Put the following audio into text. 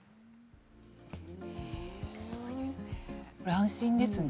安心ですね。